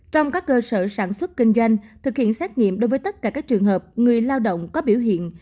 trong các cơ sở sản xuất kinh doanh thực hiện xét nghiệm đối với tất cả các trường hợp người lao động có biểu hiện